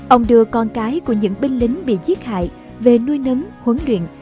ông đưa con cái của những binh lính bị giết hại về nuôi nấn huấn luyện